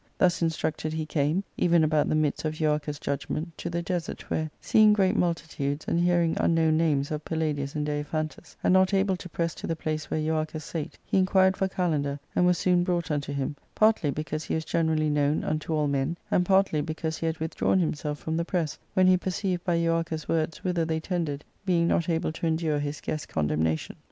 * Thus instructed he came, even about the midst of Euarchus* judgment, to the desert, where, seeing great multitudes, and hearing unknown names of Palladius and Daiphantus, and not able to press to the place where Euar chus sate, he inquired for Kalander, and was soon brought unto him, partly because he was generally known unto all men, and partly because he had withdrawn himself from the press, when he perceived by Euarchus' words whither they tended, being not able to endure his guests* condemnation.